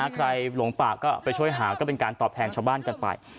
หลงป่าก็ไปช่วยหาก็เป็นการตอบแทนชาวบ้านกันไป